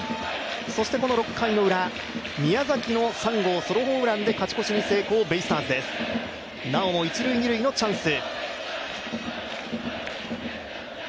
そして６回ウラ、宮崎の３号ソロホームランで勝ち越しに成功、ベイスターズですなおも一・二塁のチャンス。